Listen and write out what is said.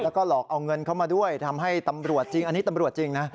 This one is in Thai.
แล้วก็หลอกเอาเงินเข้ามาด้วยทำให้ตำรวจจริงอันนี้ตำรวจจริงนะ